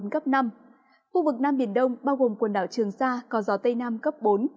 khu vực nam biển đông bao gồm quần đảo trường sa có gió tây nam cấp bốn